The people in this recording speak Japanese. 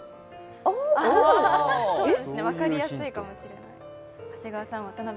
分かりやすいかもしれない。